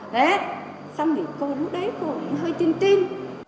đấy xong thì cô rút đấy cô hơi tin tin